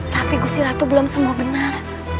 tapi gusiratu belum semua benar